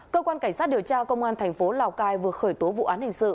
cơ quan cảnh sát điều tra công an thành phố lào cai vừa khởi tố vụ án hình sự